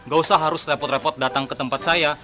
gak usah harus repot repot datang ke tempat saya